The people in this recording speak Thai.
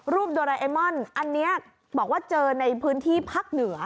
โดราเอมอนอันนี้บอกว่าเจอในพื้นที่ภาคเหนือ